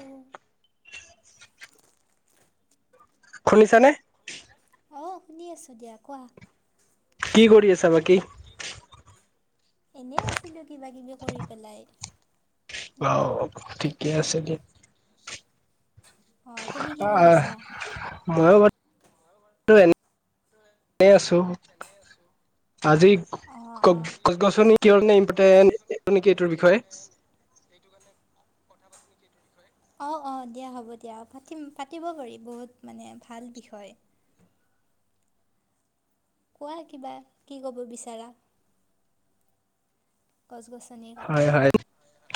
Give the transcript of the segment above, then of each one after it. উম্ শুনিছ নে? অঁ শুনি আছোঁ দিয়া কোৱা। কি কৰি আছা বাকী? এনেই আছিলো কিবা কিবি কৰি পেলাই। অ ঠিক এ আছে দিয়া। অঁ তুমি কি আহ কৰিছা মই এনে এনেই আছো। আজি অঁ অঁ গছ গছনি [unintelligible] নেকি এইটোৰ বিষয়ে। অ অ দিয়া হ'ব দিয়া পাতিম পাতিব পাৰি বহুত মানে ভাল বিষয় কোৱা কিবা কি ক'ব বিচাৰা গছ গছনিৰ কথা হয় হয়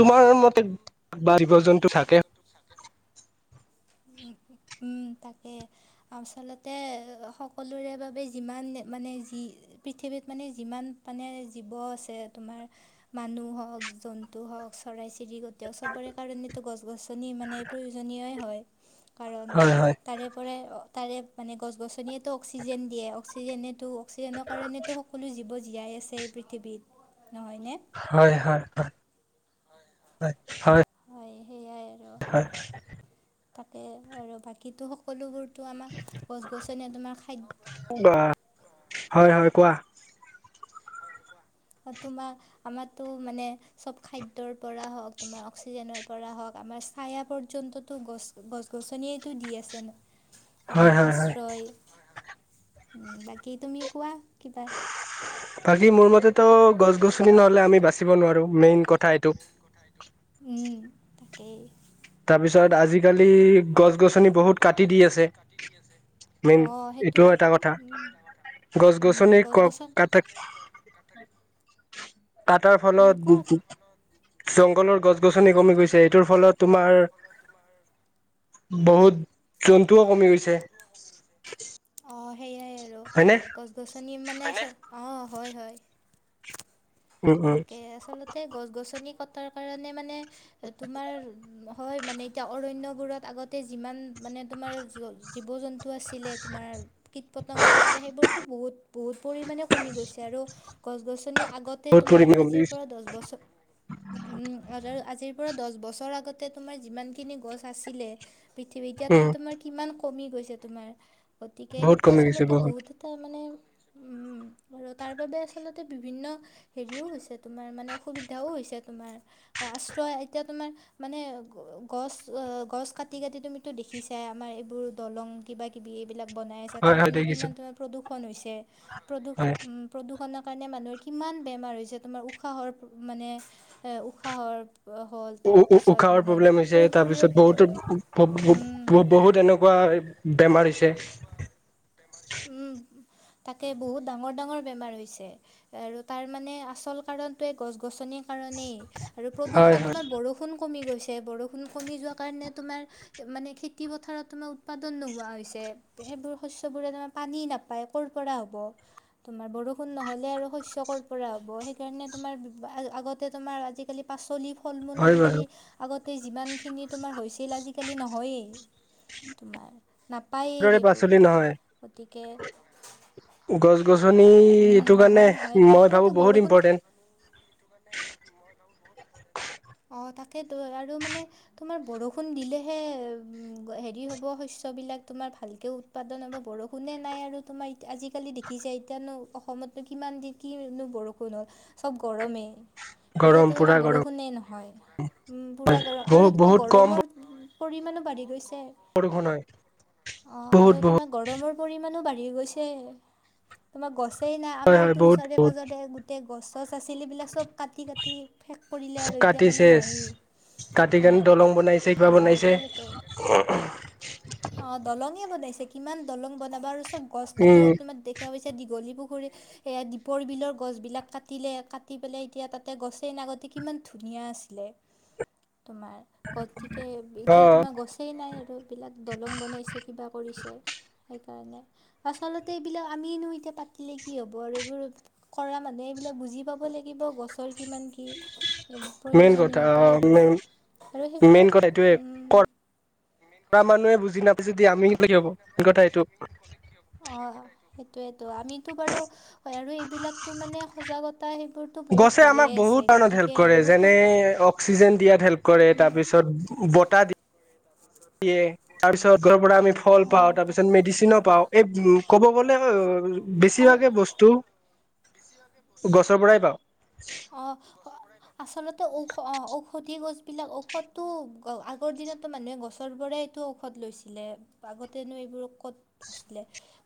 তোমাৰ মতে বা জীৱ জন্তু থাকে তাকে আচলতে সকলোৰে বাবে যিমান মানে যি পৃথিৱীত মানে যিমান মানে জীৱ আছে তোমাৰ। মানুহ হওক জন্তু হওক চৰাই চিৰিকতি হওক চবৰে কাৰণো গছ গছনি মানে প্ৰয়োজনীয়ই হয় কাৰণ হয় হয় তাৰেপই তাৰে মানে গছ গছনিয়েতো অক্সিজেন দিয়ে অক্সিজেনে অক্সিজেনৰ কাৰণো সকলো জৱ জীয়াই আছে এই পৃথিৱীত নহয়নে হয় হয় হয় হয় হয় সেইয় হয় তাকে আৰু বাকীো সকলোবোৰ টো আমাৰ গছ গছনি তোমাৰ হয় খাদ হয় হয় কোৱা। তোমাৰ আমাৰো মানে চব খাদ্যৰ পৰা হওক তোমাৰ অক্সিজেনৰ পৰা হওঁক আমাৰ চাইা পৰ্যন্তো গছ গছ গছনিয়টো দি আছে ন হয় আমাৰ হয় হয় আশ্ৰয় বাকী তুমি কোৱা কিবাৰ বাকী মোৰ মতেতো গছ গছনি নহ'লে আমি বাচিব নোৱাৰো মেইন কথা এইটো উম তাকেই তাৰপিছত আজিকালি গছ গছনি বহুত কাটি দি আছে। মেইন অ এইটোও সেইটোতো এটা কথা উম গছ-গছনি গছ ক গছন কাটা আটাৰ ফলত জংঘলৰ গছ গছনি কমি গৈছে এইটোৰ ফলত তোমাৰ বহুত জন্তুও কমি গৈছে অ সেইয়াই আৰু হয়নে? গছ গছনি মানে অঁ হয় হয় উম উম তাকে আচলতে গছ গছনি কথা কাৰে মানে তোমাৰ হয় মান এতি অৰণ্যবোৰত আগতে যি মানে তাৰ জ জ আছিলে তোমাৰ কীট পতংগ আছিলে সেইবোৰতো বহুত বহুত পৰিমাণে কমি গৈছে আৰু গছ গছনি আগ বহুত তোমাৰ পৰিমাণে কমি আজি গৈছে পৰা দহ বছৰ আজি পৰা দ বছৰ আগতে তোমাৰ যিমানখিনি গছ আছিলে পৃথিৱী এতিয়াতো উম তোমাৰ কিমান কমি গৈছে তোমাৰ। গতিকে বহুত সেইটো কমি গৈছে আচলতে বহুত এটা মানে উম আৰু তাৰ বাবে আচলতে বিভিন্ন হেৰিও হৈছে তোমাৰ মানে অসুবিধাও হৈছে তোমাৰ আশ্ৰয় এতিয়া তোমাৰ মানে গছ গছ কাটি কাটি তুমিতো দেখিছাই আমাৰ এইবোৰ দলং কিবা কিবি এইবিলাক বনাই আছে তাৰ হয় হয় কাৰণে দেখিছো কিমান প্ৰদূষ ষন হৈছে। প্ৰদূষ উ হয় প্ৰদূষণৰ কাৰণে মানুহৰ কিমান বেমাৰ হৈছে তোমাৰ উশাহৰ মানে উশাহৰ হ'ল উ তাৰপিছত উশাহৰ মানে প্ৰব্লেম হৈছে, আৰু তাৰ পিছত শৰীৰৰ ভিতৰত উম বহুতো বহুত এনেকুৱা বেমাৰ হৈছে। [inaudible] উম, তাকে বহুত ডাঙৰ ডাঙৰ বেমাৰ হৈছে আৰু তাৰ মানে আচল কাৰণটোৱেই গছ গছনি কাৰণেই আৰু হয় প্ৰদূষণ হয় তোমাৰ বৰষুণ কমি গৈছে বৰষুণ কমি যোৱা কাৰণে তোমাৰ মানে খেতি পথাৰত তোমাৰ উৎপাদন নোহোৱা হৈছে, সেইবোৰ শস্যবোৰে তোমাৰ পানী নাপায় ক'ৰ পৰা হ'ব? তোমাৰ বৰষুণ নহ'লে আৰু শস্য কৰ পৰা হ'ব সেইকাৰণে তোমাৰ আগতে তোমাৰ আজিকালি পাচলি, ফল মূল হয় বাৰু আজিকালি আগত যিমান খিনি তোমাৰ হৈছে। আজিকালি নহয়েই, তোমাৰ নাপায়েই সেইবোৰ। গতিকে গছ গছনিটো উম, এইটো কাৰণে নহয় নহয় মই সেইটোৱেতো ভাবো বহুত বৰষুণ ইম্পৰটেন্ট। অ তাকেই তো আৰু মানে তোমাৰ বৰষুণ দিলেহে উ হেৰি হব শস্যবিলাক তোমাৰ ভালকে উৎপাদন হ'ব, বৰষুণ ষুণে নাই আৰু তোমাৰ আজিকালি দেখিছাই, এতিয়ানো অসমতনো কিমান দিন নো বৰষুণ হ'ল চব গৰমেই। গৰম এতিয়াাতো তোমাৰ পুৰা গৰম বৰষুণে নহয়, উম পুৰা গৰম বহুত আৰু তোমাৰ বহুত কম গৰমৰ পৰিমাণো বাঢ়ি গৈছে। বৰষুণ হয়। বহুত বহুত মানো বাঢ়ি গৈছে তোমাৰ গছ সেই নাই হয় হয় আমাৰতো বহুত ওচৰে বহুত পাঁজৰে গোটেই গছ গছনি বিলাক চব কাটি কাটি শেষ কৰিলে চব আৰু এতিয়া কাটি মান চেচ নাইয়ে। কাটি কেনে দলং বনাইছে কিবা বনাইছে সেইয়ে টো, দলঙয়ে বনাইছে। কিমান দলং বনাব লৈছে চব গছ কাটি উম কাটি মই দেখা পাই এতিয়া দীঘলী পুখুৰীত এ দীপৰ বিলৰ গছ বিিলাক কাটিলে কাটি পেলাই এতিয়া তাতে গছেই নগতি কিমান ধুনীয়া আছিলে তোমাৰ গতিকে অ এতিয়া তোমাৰ গছেই নাই আৰু বিলাক দলং বনাইছে কিবা কৰিছে সেইকাৰণে আচলতে এইবিলাক আমিনো এতিয়া পাতিলে কি হ'ব আৰু এইবোৰ কৰা মানুহে এইবিলাক বুজি পাব লাগিব গছৰ কিমান কি মেইন কথা অ প্ৰয়োজনীয়তা মেই সেইবোৰ আৰু মেইন কথা এইটোয়ে সেইবোৰক কৰা কৰা মানুহে বুজি নাপাইছে দ আমি কি হব কথা এইটো সেইটয়েতো আমিতো বাৰু হয় আৰু এইবিলাকতটো মানে সজাগতা সেইবোৰতো বহুত গছে হৈয়ে আমাক বহুত আছে ধৰণত হেল্প গতিকে কৰে এইবোৰতো যেনে অক্সিজেন দিয়াত হেল্প কৰে তাৰপিছত বতাহ দ ই তাৰপিছত আমি ফল অ পাওঁ তাৰপিছত তাৰি মেডিচিনো গছ পাওঁ এই ফল পা ক'ব তাৰিছ গ'লে বেছিভাগে বস্তু মচ পা গছৰ পৰাই পাওঁ অ আচলতে ঔষ ঔষধি গছবিলাক ঔষধটো আগৰ দিনতো মানুহে গছৰ পৰাোৰেই এইটো ঔষধ লৈছিলে আগতেনো এইবোৰ ক'ত আছিলে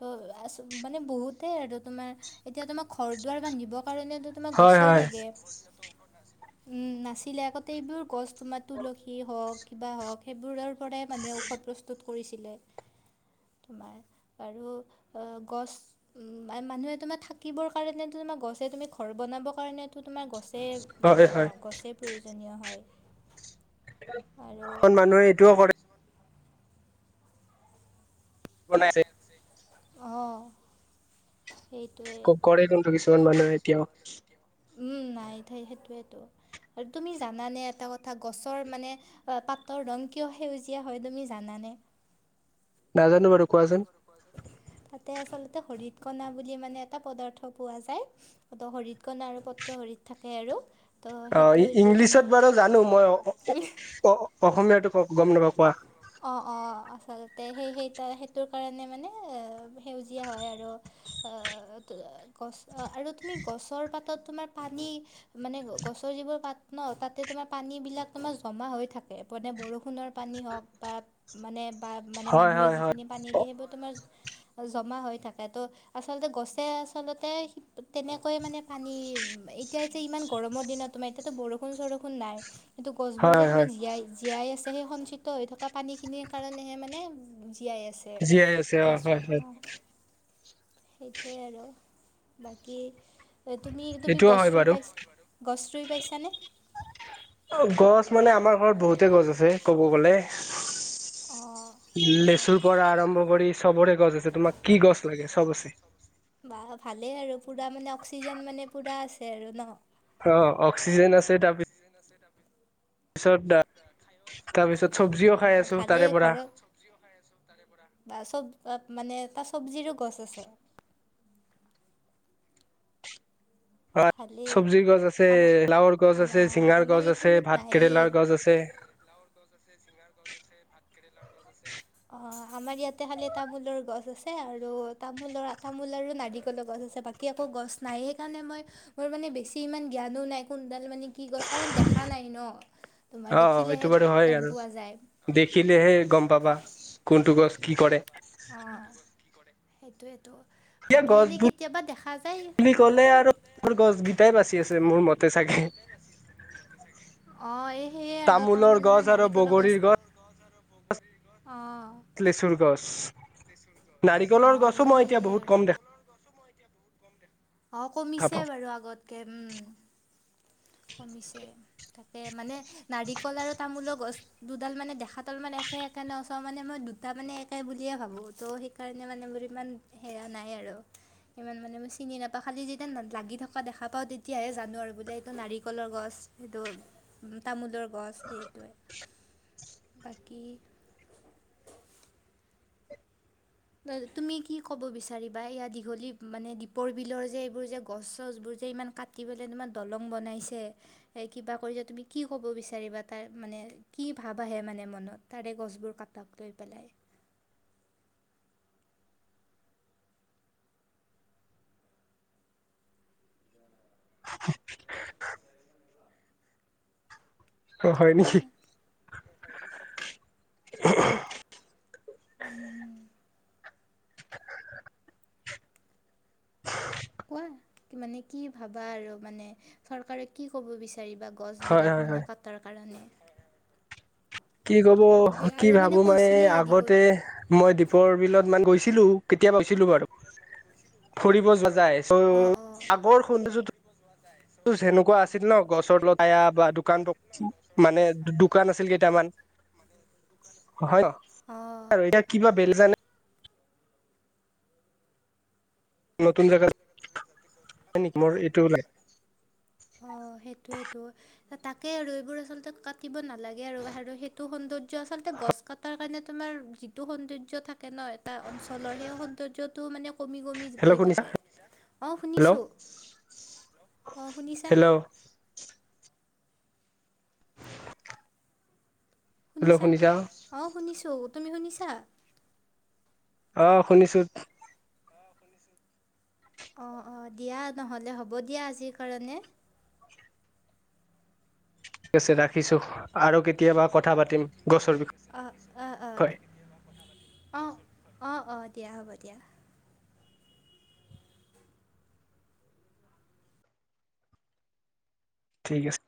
তো আ মানে বহুতেই আৰু তোমাৰ এতিয়া তোমাক ঘৰ দুৱাৰ বান্ধিব কাৰণতো তোমাক হয় গছেই হয় লাগে উম নাছিলে আগতে এইবোৰ গছ তোমাৰ তুলসী হওক কিবা হওক সেইবোৰ আৰু মানে ঔষধ প্ৰস্তুত কৰিছিলে তোমাৰ আৰু গছ মানুহে তোমাৰ থাকিবৰ কাৰণেো তোমাৰ গছে তুমি ঘৰ বনাবৰ কাৰণেতো তোমাৰ গছ হয় লাগে হয় ন গছে প্ৰয়ো প্ৰজনীয় হয় আৰু এখন মানুহে এইটোও কৰে বনাইছে অঁ সেইটোৱে ক কৰে কিন্তু কিছুমান মানুহে এতিয়াও উম নাই তাই সেইটোয়টো আৰু তুমি জানানে এটা কথা গছৰ মানে পাতৰ ৰং কিয় সেউজীয়া হয় তুমি জানানে নাজানো বাৰু কোৱাচোন তাতে আচলতে হৰিত কণা বুলি মানে এটা পদাৰ্থ পোৱা যায় ত হৰিত কণা আৰু পত্ৰ হৰিত থাকে আৰু তো অ সেইটো দি মানে ইংলিছত বাৰু জানো মই অসমীয়াাতটো ক গম নাপাওঁ কোৱা অঁ অঁ আচলতে সেই সেই সেইটোৰ কাৰণে মানে সেউজীয়া হয় আৰু গছ আৰু তুমি গছৰ পাতত তোমাৰ পানী মানে গছৰ যিবোৰ পাত ন তাতে তোমাৰ পানীবিলাক তোমাৰ জমা হৈ থাকে মানে বৰষুণৰ পানী হওক বা মানে বা মানে হয় মানুহ হয় হয় যখিনি পানী দিয়ে সেইবোৰত জমা হৈ থাকে ত' আচলতে গছে আচলতে তেনেকৈয়ে মানে পানী এতিয়া যে ইমান গৰমৰ দিনত তোমাৰ এতিয়াতো বৰষুণ চৰষুণ নাই সেইটো গছবোৰ যে হয় তুমাৰ হয় জীয়াই জীয়াই আছে সেই সঞ্চিত হৈ থকা পানীখিনিৰ কাৰণেহে মানে জীয়াই আছে জীয়াই আছে অ গছ হয় হয় অঁ সেইটোৱে আৰু বাকী তুমি তুমি এইটোও গছ হয় ৰুই বাৰু পাইছা গছ ৰুই পাইছানে অ, গছ মানে আমাৰ ঘৰত বহুতে গছ আছে ক'ব গ'লে অঁ সেয়াই লেচুৰ আৰু পৰা আৰম্ভ কৰি চবৰে গছ আছে তোমাক কি গছ লাগে চব আছে বা ভালেই আৰু পূৰা মানে অক্সিজেন মানে পূৰা আছে আৰু ন অ অক্সিজে আছে সেইটপি তাৰপিছত চব্জিও অ খাই আছো তাৰে ভালেই পৰা ঘৰত চ খাইছ বা চব মানে তাত চব্জিৰো গছ আছে অ ভালেই। চব্জিৰ গছ আছে আমাৰ লাওৰ গছ আছে অ', চিঙাৰ আমাৰ গছ আছে এইখিনিত ভাত নায়েই। কেৰেলাৰ গছ আছে অ আমাৰ ইয়াতে খালি তামোলৰ গছ আছে আৰু তামোলৰ তামোল আৰু নাৰিকলৰ গছ আছে বাকী একো গছ নাই সেইকাৰণে মই মোৰ মানে বেছি ইমান জ্ঞানো নাই কোন ডাল মানে কি গছ কাৰণ দেখা নাই ন তোমাৰ অ এইটো দেখিলেহে বাৰু হয় গম আৰু পোৱা যায় দেখিলেহে গম পাবা কোনটো গছ কি কৰে অ সেইটোোৱেতটো এয়া গছবোৰ বুলি কলে আৰু গছ কেইটাই বাচি আছে মোৰ মতে চাগে অঁ এই সেয়ে আৰু তামোল তামোলৰ গছ আৰু বগৰীৰ গছ অ লেচুৰ গছ নাৰিকলৰ গছো মই এতিয়া বহুত কম দেখা এতিয়া বহুত কম দে অ কমিছে পাওঁ বাৰু আগত কে উম কমিছে তাকে মানে নাৰিকল আৰু তামোলৰ গছ দুডাল মানে দেখাাতাল মানে একে একে নচাওঁ মানে মই দুটা মানে একে বুলিয়ে ভাবোঁ তো সেইকাৰণে মানে মোৰ ইমান হেৰা নাই আৰু ইমান মানে মই চিনি নাপাওঁ খালি যেতিয়া লাগি থকা দেখা পাওঁ তেতিয়াহে জানো আৰু বোলে এইটো ন িকৰ গছ সেইটো তামোলৰ গছ সেইটোৱে বাকী তুমি কি ক'ব বিচাৰিবা দীঘলী মানে দপৰ বিলৰ যে এইবোৰ যে গছ চছোৰ যে ইমান কাটি পাই তোম দলং বনাইছে কিবা কৰি তুমি কি কব বিচাৰিবা তাৰ মানে কি ভাব আহে মানে মনত তাৰে গছবোৰ ক লৈ পেলাই অ হয় কোৱা নেকি উম [inaudible] কোৱা কি মানে কি ভাবা আৰু মানে চৰকাৰে কি ক'ব বিচাৰে চাৰি বা হয় গছবিলাক হয় মানে হয় কাটাৰ কাৰণে কি কব এইবি- কি আৰু ভাবো মানে কৈছিলে দীঘল আগতে মই দীপৰ বিলত মান গৈছিলো কেতিয়াাবা বাৰু ফুৰিব অঁ অঁ [inaudible] সেনেকুৱা আছিল ন গছত লগাইয়া বা দোকান পক মানে দোকান আছিল কেইটামান [inaudible] হয় ন অঁ আৰু এতিয়া কিবা বেল জানে নতুন জেগাত নেকি মোৰ এইটো ও নাই। অ' সেইটোৱেতো। তাকে আৰু এইবোৰ আচলতে কাটিব নাল লাগে আৰু সেইটো সৌন্দৰ্য আচলতে গছ কটাৰ কাৰণে তোমাৰ যিটো সৌন্দৰ্য্য থাকে ন, এটা অঞ্চলৰ সেই সৌন্দৰ্যটো মানে কমি কমি হেল্ল' গৈ শুনিছা থাকে। অ হেল্ল' শুনিছো, আহ। হেল্ল' হেল্ল' শুনিছানে? শুনিছা অ শুনিছো। তুমি শুনিছা? আহ শুনিছো। অ অ দিয়া নহলে হ'ব দিয়া আজিৰ কাৰণে। ঠিক আছে ৰাখিছো আৰু কেতিয়া কেতিয়াবা কথা পাতিম গছৰ অ' অ' অ' বিষয়ে। দিয়া। অ অ অ দিয়া হ'ব দিয়া। ঠিক আছে।